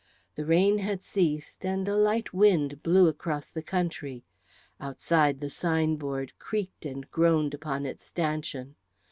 The rain had ceased, and a light wind blew across the country. Outside the sign board creaked and groaned upon its stanchion.